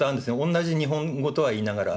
同じ日本語とはいいながら。